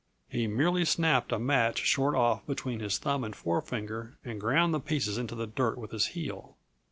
He merely snapped a match short off between his thumb and forefinger and ground the pieces into the dirt with his heel.